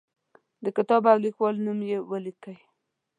د کتاب او لیکوال نوم یې ولیکئ.